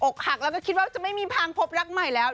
หักแล้วก็คิดว่าจะไม่มีทางพบรักใหม่แล้ว